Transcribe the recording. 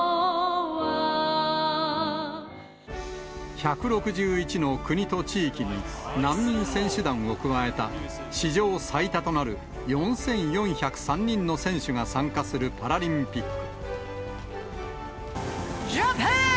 １６１の国と地域に難民選手団を加えた、史上最多となる４４０３人の選手が参加するパラリンピック。